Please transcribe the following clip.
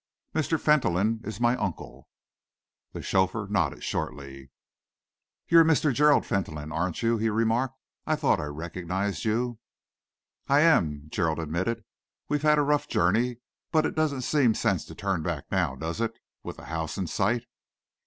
Mr. Fentolin is my uncle." The chauffeur nodded shortly. "You're Mr. Gerald Fentolin, aren't you, sir?" he remarked. "I thought I recognised you." "I am," Gerald admitted. "We've had a rough journey, but it doesn't seem sense to turn back now, does it, with the house in sight?"